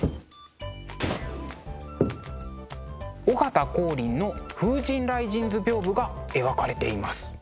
尾形光琳の「風神雷神図屏風」が描かれています。